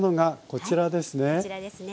こちらですね。